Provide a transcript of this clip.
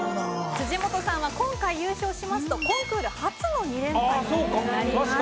辻元さんは今回優勝しますとコンクール初の２連覇になります。